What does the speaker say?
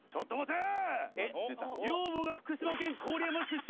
女房が福島県郡山市出身。